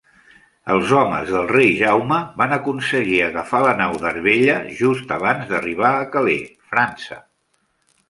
Els homes del rei Jaume van aconseguir agafar la nau d'Arbella just abans d'arribar a Calais, França.